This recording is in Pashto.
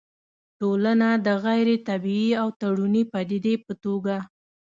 ټولنه د غيري طبيعي او تړوني پديدې په توګه